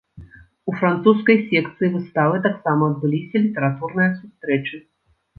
У французскай секцыі выставы таксама адбыліся літаратурныя сустрэчы.